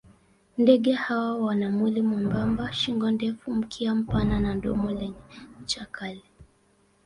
Ndege hawa wana mwili mwembamba, shingo ndefu, mkia mpana na domo lenye ncha kali.